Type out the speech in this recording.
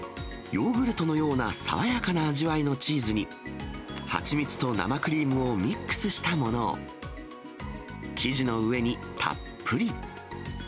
ヨーグルトのような爽やかな味わいのチーズに、蜂蜜と生クリームをミックスしたものを、生地の上にたっぷり。